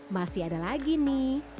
masih ada lagi nih